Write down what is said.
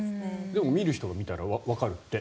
でも見る人が見たらわかるって。